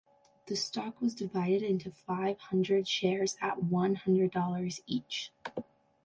The stock was divided into five hundred shares at one hundred dollars each.